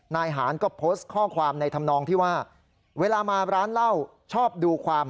นายหานก็โพสต์ข้อความในธรรมนองที่ว่าเวลามาร้านเหล้าชอบดูความ